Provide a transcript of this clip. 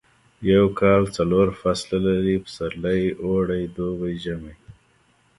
یو کال څلور فصله لري پسرلی اوړی دوبی ژمی